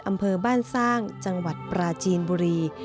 อำเภอบ้านสร้างจังหวัดปราจีนบุรี